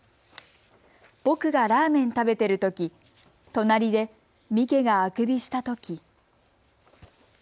ぼくがラーメンたべてるときとなりでミケがあくびしたとき。